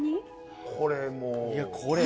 これもう。